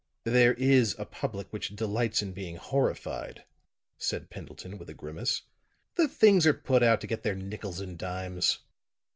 "There is a public which delights in being horrified," said Pendleton with a grimace. "The things are put out to get their nickels and dimes."